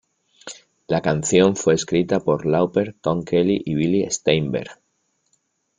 La canción fue escrita por Lauper, Tom Kelly y Billy Steinberg.